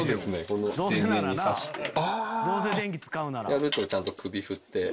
やるとちゃんと首振って。